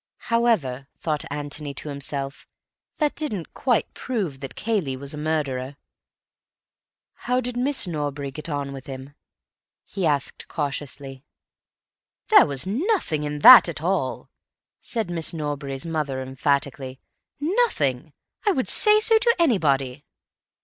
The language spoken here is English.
However, thought Antony to himself, that didn't quite prove that Cayley was a murderer. "How did Miss Norbury get on with him?" he asked cautiously. "There was nothing in that at all," said Miss Norbury's mother emphatically. "Nothing. I would say so to anybody."